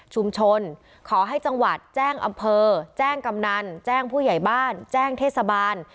ขอให้จังหวัดแจ้งอำเภอแจ้งกำนันแจ้งผู้ใหญ่บ้านแจ้งเทศบาล